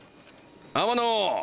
天野！